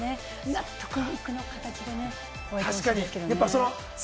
納得いく形でね、終わってほしいですけれどもね。